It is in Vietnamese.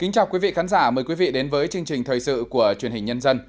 chào mừng quý vị đến với chương trình thời sự của truyền hình nhân dân